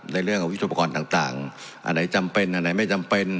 ในเรื่องวิจุปกรณ์ต่างต่างอันไหนจำเป็นอันไหนไม่จำเป็น